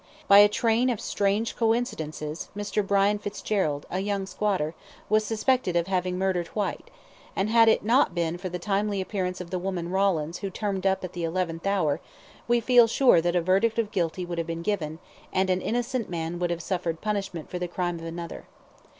By a train of strange coincidences, Mr. Brian Fitzgerald, a young squatter, was suspected of having murdered Whyte, and had it not been for the timely appearance of the woman Rawlins who turned up at the eleventh hour, we feel sure that a verdict of guilty would have been given, and an innocent man would have suffered punishment for the crime of another.